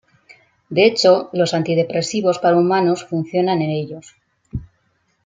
De hecho los antidepresivos para humanos funcionan en ellos.